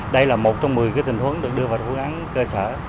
đây là một trong một mươi tình huống được đưa vào thủ án cơ sở